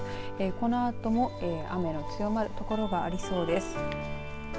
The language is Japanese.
このあとも雨の強まる所がありそうです。